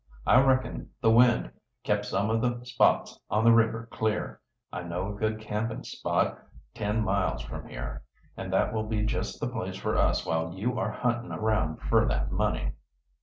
I reckon the wind kept some o' the spots on the river clear. I know a good camping spot ten miles from here, and that will be just the place for us while you are huntin' around fer that money."